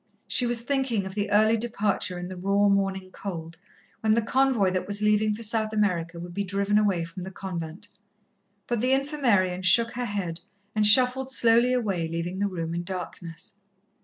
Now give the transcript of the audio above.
She was thinking of the early departure in the raw morning cold, when the convoy that was leaving for South America would be driven away from the convent. But the Infirmarian shook her head and shuffled slowly away, leaving the room in darkness.